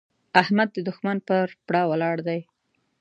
احمد د دوښمن پر پره ولاړ دی.